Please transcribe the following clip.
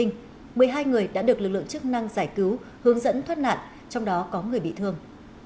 một mươi hai người đã được lực lượng chức năng giải cứu hướng dẫn thoát nạn trong đó có người bị thương